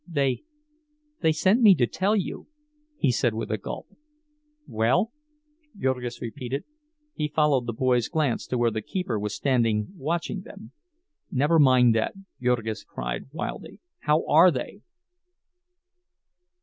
"They—they sent me to tell you—" he said, with a gulp. "Well?" Jurgis repeated. He followed the boy's glance to where the keeper was standing watching them. "Never mind that," Jurgis cried, wildly. "How are they?"